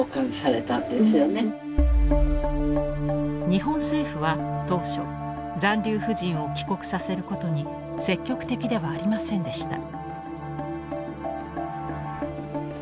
日本政府は当初残留婦人を帰国させることに積極的ではありませんでした。